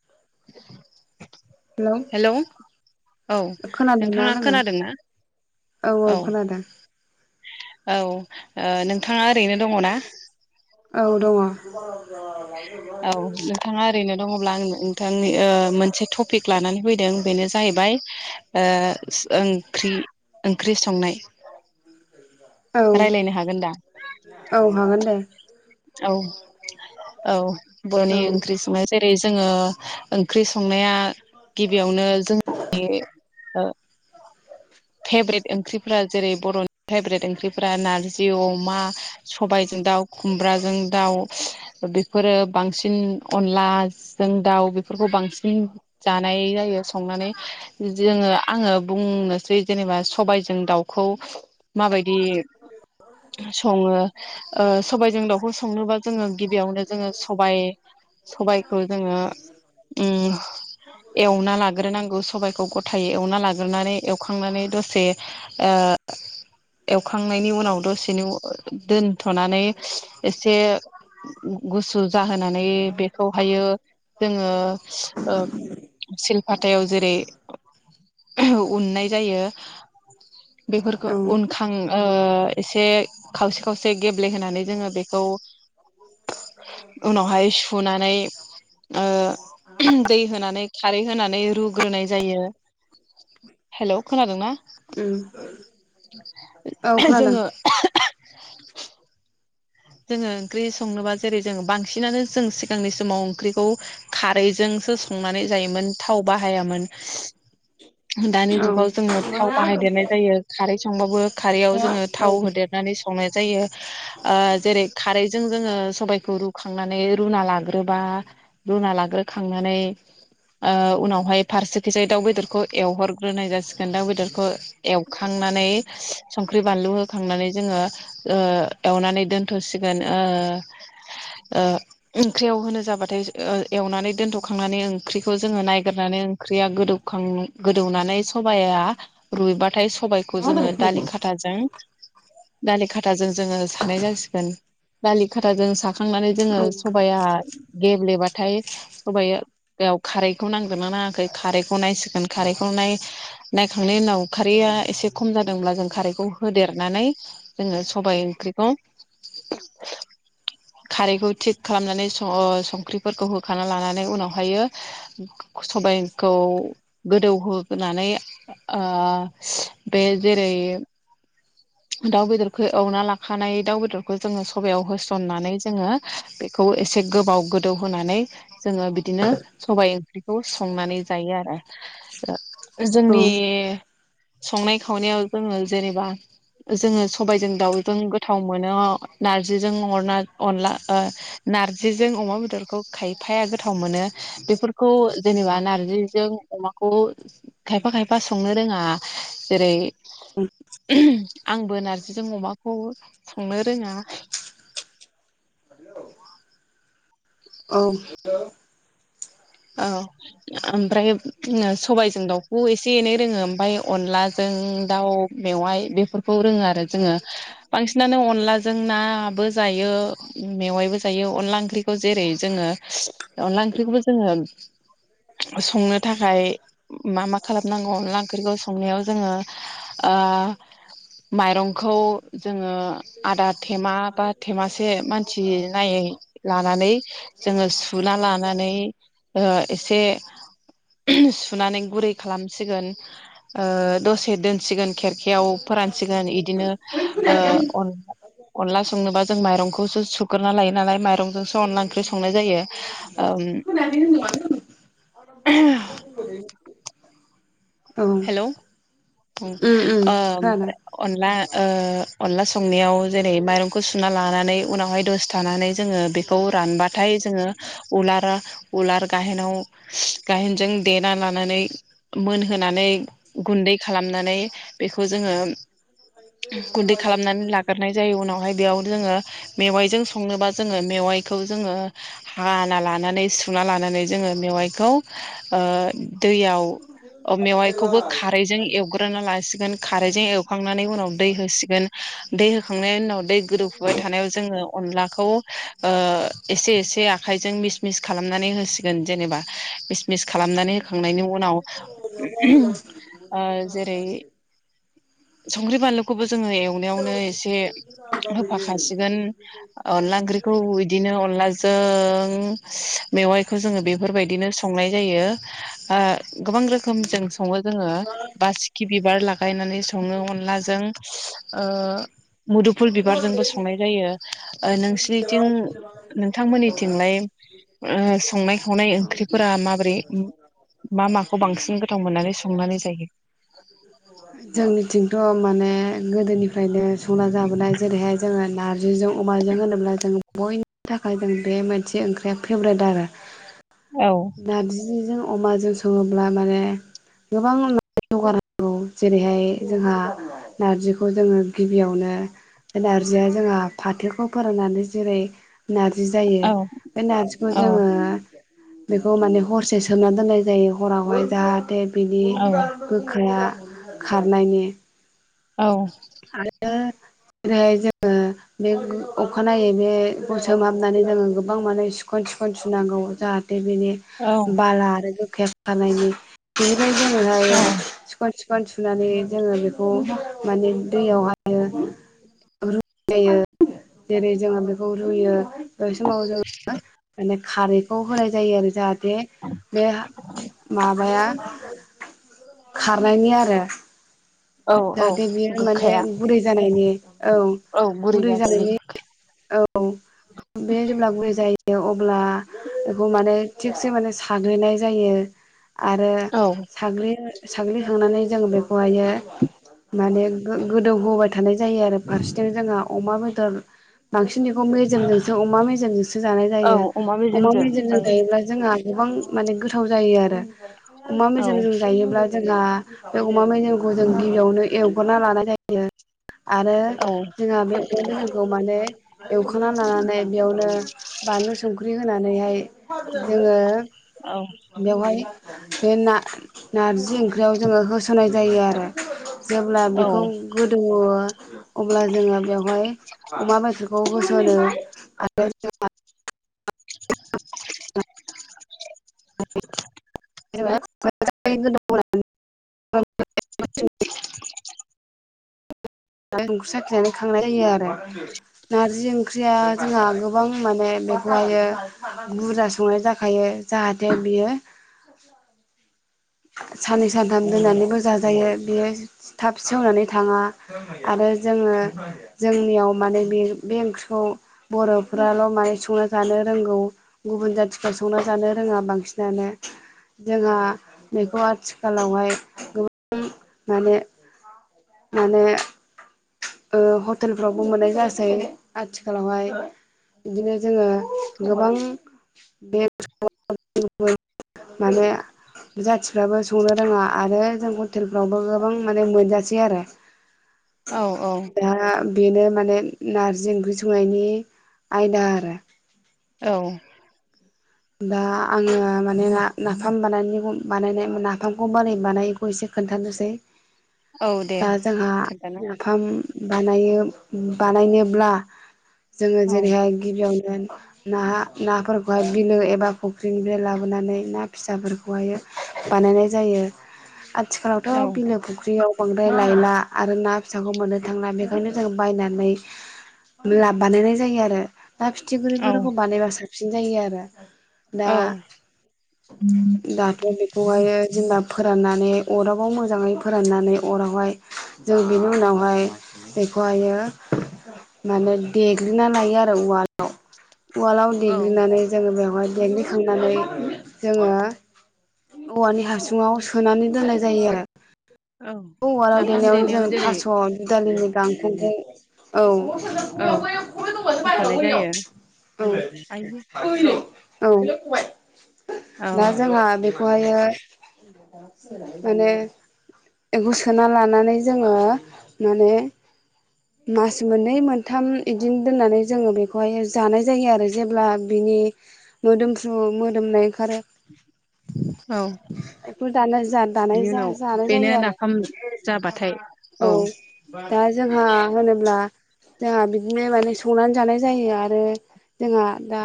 [inaudible] Hello औ खोनादोंना नोंथाङा लोगो खोनादोंना औ औ खोनादों औ नोंथाङा ओरैनो दङना औ दंङ औ नोंथाङा ओरैनो दंङब्ला आं नोंथां ओ मोनसे टपिक लानानै फैदों बेनो जाहैबाय ओ ओंख्रि ओंख्रि संनाय। औ रायलायनो हागोन दा औ हागोन दे। औ औ औ बर'नि ओंख्रि संनाय जेरै जोंङो ओंख्रि संनाया गिबियावनो जोंनि ओ फेब्रेट ओंख्रिफोरा जेरै बर'नि फेब्रेट ओंख्रिफोरा नारजि अमा सबायजों दाउ खुमब्राजों दाउ बेफोरो बांसिन अनलाजों दाउ बेफोरखौ बां सिन जानाय जायो संनानै जोंङो आंङो बुंनोसै जेनेबा सबायजों दाउखौ माबाय दि संङो ओ सबायजों दाउखौ संनोबा जोंङो गिबियावनो जोंङो सबाइ सबायखौ जोंङो अम एवना लाग्रोनांगौ। सबायखौ गथायै एवना लाग्रोनानै एवखांनानै दसे ओ एवखांनायनि उनाव दसेनो दोनथ'नानै एसे गुसु जाहोनानै बेखौहायो जोंङो ओ सिलपाथायाव जेरै उननाय जायो औ बेफोरखौ उम उनखां ओ ओ एसे खावसे-खावसे गेब्लेहोनानै जोंङो बेखौ उनावहाय सुनानै ओ दै हो नानै खारै होनानै रुग्रोनाय जायो। हेल' खोनादोंना औ खोनादों जोंङो जोंङो ओंख्रि संनोबा जेरै जों बांसिनानो जों सिगांनि समाव ओंख्रिखौ खारैजों सो संनानै जायोमोन थाव बाहायामोन। दानि औ जुगाव जोंङो थाव बाहायदेरनाय जायो खारै संबाबो खारैयाव औ जोंङो औ थाव होदेरनानै संनाय जायो ओ जेरै खारैजों जोंङो सबायखौ रुखांनानै रुना लाग्रोबा रुना लाग्रोखांनानै ओ उनावहाय फारसेखैजाय दाउ बेदरखौ एवहरग्रोनाय जासिगोन दाउ बेदरखौ एवखांनानै संख्रि बानलु होखांनानै जोंङो ओ एवनानै दो नथ' सिखोन ओ ओंख्रियाव होनो जाबाथाय एवनानै दोनथ' खांनानै ओंख्रिखौ जोंङो नायगोरनानै ओंख्रिया गोदौ खां गोदौनानै सबाया रुइबाथाय सबायखौ जोंङो दालि खाथाजों दालि खाथाजों जोंङो सानाय जासि गोन दालि खाथाजों साखांनानै जोंङो सबाया गेब्लेबा थाय सबायाव खारैखौ नांदोंना नाङाखै खारैखौ नायसिगोन खारैखौ नाय नायखांनायनि उनाव खारैया एसे खम जादोंब्ला जों खारैखौ होदेरनानै जोंङो सबाय ओंख्रिखौ खारैखौ थिक खालामनानै स-संख्रिफोरखौ होखा लानानै उनावहायो सबायखौ गोदौ होनानै ओ बे जेरै दाउ बेदरखौ एवना लाखानाय दाउ बेदरखौ जोङो सबायाव होसननानै जोङो बेखौ एसे गोबाव गोदौ होनानै जोङो बिदिनो सबाइ ओंख्रिखौ संनानै जायो आरो। उम जोंनि संनाय खावनायाव जोङो जेनेबा जोङो सबायजों दाउजों गोथाव मोनो नारजिजों अरना अनला ओ ना नारजिजों अमा बेदरखौ खायफाया गोथाव मोनो बेफोरखौ जेनेबा नारजिजों अमाखौ खायफा खायफा संनो रोङा जेरै आंबो नारजिजों अमाखौ संनो रोङा। औ नोंगौ। औ ओमफ्राय सबायजों दाउखौ एसे एनै रोङो ओमफाय अनलाजों जों दाव मेवाइ बेफोरखौ रोङो आरो जोङो बांसिनानो अनलाजों ना बो जायो मेवाइ बो जायो अनला ओंख्रिखौ जेरै जोङो अनला ओंख्रिखौबो जोङोब संनो थाखाय मा मा खालामनांगौ अनला ओंख्रिखौ संनायाव जोङो ओ माइरंखौ जोङो आदा थेमा बा थेमासे मानसि नायै लानानै जोङो सु सुना लानानै ओ एसे सुनानै गुरै खालामसिगोन ओ दसे दोनसिगोन खेर खेयाव फोरानसिगोन इदिनो ओ खोनादों अन अनला संनोबा जों माइरंखौसो सुग्रोना लायो नालाय माइरंजोंसो अनला ओंख्रि संनाय जायो ओम। [unintelligible] हेल' अ ओ फ्राय अनला ओ अनला संनायाव जेरै माइरंखौ सुना लानानै उनावहाय दस थानानै जोङो बेखौ रानबाथाय जोङो उलारा उलार गाहेनाव गाहेनजों दे लानानै मोनहो नानै गुन्दै खालामनानै बेखौ जोङो गुन्दै खालामनानै लाग्रोनाय जायो उनावहाय बेयाव जोङो मेवाइजों संनोबा जोङो मेवाइ मेवाइखौ जोङो हाना लानानै सुना लानानै जोङो मेवाइखौ ओ दैयाव अब मेवाइखौबो खारैजों एवग्रो ग्रोना लासिगोन खारैजों एवखांनानै उनाव दै होसिगोन दै होखांनायनि उनाव दै गोदौफुबाय थ थानायाव जोङो अनलाखौ ओ एसे एसे आखाइजों मिस मिस खालामनानै होसिगोन। जेनेबा मिस मिस खालामनानै होखांनायनि उनाव ओ जेरै संख्रि बानलुखौबो जोङो एवनायावनो एसे होफाखासिगोन अनला ओंख्रिखौ बिदिनो अनलाजों मेवाइखौ जोङो बेफोरबायदिनो संनाय जायो ओ गोबां रो खोमजों सङो जोङो बासिखि बिबार लागायनानै सङो अनलाजों ओ मुदुफुल बिबारजोंबो संनाय जायो ओ नोंसि निथिं नोंथांमोननिथिंलाय ओ संनाय खावनाय ओंख्रिफोरा माबोरै मा माखौ बांसिन ओ गोथाव मोननानै संनानै जायो? जोंनिथिंथ' माने गोदोनिफ्रायनो संना जाबोनाय जेरैहाय जोङो नार जिजों अमाजों होनोब्ला जों बयनि थाखाय जों बे मोनसे ओंख्रिया फेब्रेट आरो औ नारजिजों अमाजों सङोब्ला माने गोबां अनला [unintelligible] जेरैहाय जोंहा नारजिखौ जोङो गिबियावनो बे नारजिया जोंहा फाथोखौ फोराननानै जेरै नारजि जायो औ बे नारजिखौ औ जोङो बेखौ माने हरसे सोमना दोननाय जायो हरावहाय जाहाथे बिनि औ गोखाया खारनायनि औ आरो ओेरैहाय जोङो बे अखानायै बेखौ सोमहाबनानै जोङो गोबां माने सिखन सिखन सुनांगौ जाहाथे बेनि औ बाला आरो गोखाया खारनायनि बेनिफ्राय जोङो औ सिखन सिखन बान सुनानै जोङो बेखौ माने दैयावहायो [unintelligible] जेरै जोङो बेखौ रुयो। बै समाव जोंङो माने खारैखौ होनाय जायो आरो जाहा थे बे हा माबाया खारनायनि आरो। औ औ जाहाथे बियो माने गोखाया गुरै जानायनि औ। औ गुरै जानायनि। औ बे जेब्ला गुरै जायो अब ब्ला बेखौ माने थिगसे माने साग्लिनाय जायो। आरो साग्लिनो साग्लिखांनानै जों बेखौहायो माने गो-गोदौहोबाय थानाय जायो आरो फारसेथिं जोंहा अमा बेदर बांसिन बेखौ मेजेमजोंसो अमा मेजेमजोंसो सो जानाय जायो। अमा मेजेमजों जायोब्ला जोंहा गोबां माने गोथाव जायो आरो। अमा औ मेजेमजों जायोब्ला जों हा बे अमा मैेजेमखौ जों गिबियावनो एवगोरना लानाय जायो। आरो औ जोंहा बे अमा मेजेमखौ माने एवखांना लानानै बेयावनो बानलु संख्रि होनानैहाय जोङो औ बेवहाय बे ना-नार्जि ओंख्रियाव जोङो होसनाय जायो आरो। जेब्ला बेखौ गोदौवो अब्ला जोङो बेवहाय अमा बेदरखौ होसनो आरो जोंहा [unintelligible] [unintelligible] संख्रि साखिनानै खांनाय जायो आरो। नार्जि ओंख्रिया जोंहा गोबां माने बेखौहायो बुरजा संनाय जाखायो जाहाथे बियो साननै सानथाम दोननानैबो जाजायो बियो थाब सेवनानै थाङा आरो ओ जोङो जोंनियाव माने बे बे ओंख्रिखौ बर'फ्राल' माने संना जान नो रोंगौ गुबुन जाथिफोरा संना जानो रोङा बांसिनानो। जोंहा बेखौ आथिखालावहाय गोबां माने माने ओ हटेलफ्रावबो मोननाय जासै आथिखालावहाय। बिदिनो जोङो गोबां बे [unintelligible] [unintelligible] माने जाथिफ्राबो संनो रोङा आरो जों हटेलफ्रावबो गोबां माने मोनजासै आरो। औ दा बेनो माने नार्जि ओंख्रि संनायनि आयदा आरो। औ। दा आङो माने ना-नाफाम बानायनायखौ बानायनाय नाफामखौ बोरै बानायो बेखौ एसे खोन्थानोसै। औ दे दा जोंहा खोन्थानो नाफाम बानायो बानायनोब्ला जोङो औ जेरैहाय गिबियावनो गोन नाहा ना फोरखौहाय बिलो एबा फुख्रिनिफ्राय लाबोनानै ना फिसा फोरखौहायो बानायनाय जायो। औ आथिखालावथ' बिलो फुख्रियाव बांद्राय लायला आरो ना फिसाखौ मोननो थांला बेखायनो जों बायनानै लाब बानायनाय जायो आरो। ना औ फिथिख्रिफोरखौ बानायबा साबसिन जायो आरो। दा औ दाथ' बेखौहायो जेनबा फोराननानै अदाबाव मोजाङै फोराननानै अरावहाय जों बेनि उनावहाय बेखौहायो माने देग्लिना लायो आरो उवालाव। उवालाव औ देग्लिनानै जोङो बेवहाय देग्लिखांनानै जोङो औवानि हासुङाव सोनानै दोननाय जायो आरो। औ उवालाव नाफाम देनायावनो जों देनायाव जेरै थास' दुदालिनि गांखंखौ औ। औ होफानाय जायो आयु [unintelligible] औ औ दा जोंहा बे खौहायो माने एखौ सोना लानानै जोङो माने मास मोननै मोनथाम इदिनो दोननानै जोङो बेखौहाय जानाय जायो आरो जेब्ला बि नि मोदोमफ्रु मोदोमनाय ओंखारो औ बेखौ दानाय जा दानाय बिनि जा उनाव जानाय बेनो जायो आरो नाफाम जाबाथाय औ दा जोंहा होनोब्ला जोंहा बिदिनो माने संनानै जानाय जायो आरो जोंहा दा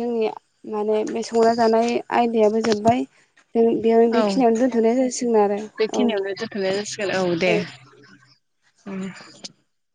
जोंनि माने बे संना जानाय आयदायाबो जोब्बाय जों बेयाव औ बेखिनियावनो दोन थ'नाय जासिगोन आरो औ नाय औ जासिगोन औ दे ओम